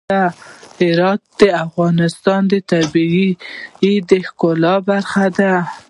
هرات د افغانستان د طبیعت د ښکلا برخه ده.